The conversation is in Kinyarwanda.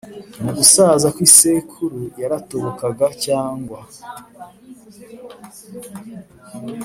mu gusaza kw’isekuru yaratobokaga cyangwa